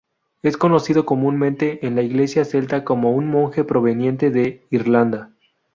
Es conocido comúnmente en la iglesia celta como un monje proveniente de Irlanda.